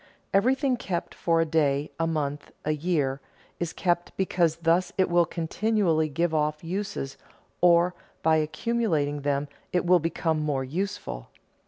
Everything kept for a day, a month, a year, is kept because thus it will continually give off uses or by accumulating them it will become more useful.